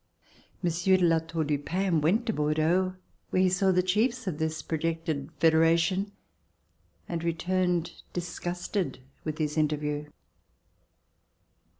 Monsieur de La Tour du Pin went to Bor deaux where he saw the chiefs of this projected federation and returned disgusted with his interview.